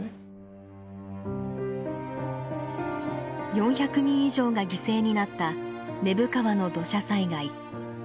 ４００人以上が犠牲になった根府川の土砂災害。